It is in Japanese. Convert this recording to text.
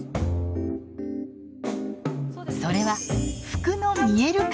それは服の見える化。